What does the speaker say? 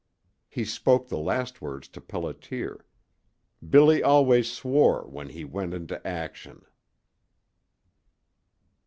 He spoke the last words to Pelliter. Billy always swore when he went into action.